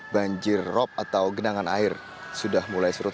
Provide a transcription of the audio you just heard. banjir rop atau genangan air sudah mulai surut